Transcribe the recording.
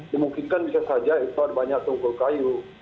kemungkinan bisa saja itu ada banyak tunggul kayu